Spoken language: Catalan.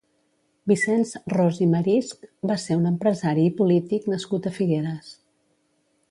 Vicenç Ros i Marisch va ser un empresari i polític nascut a Figueres.